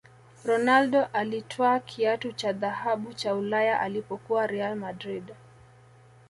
ronaldo alitwaa kiatu cha dhahabu cha ulaya alipokuwa real madrid